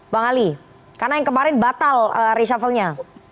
bang ali karena yang kemarin batal reshuffle nya